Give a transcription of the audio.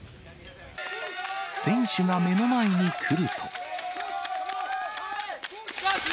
選手が目の前に来ると。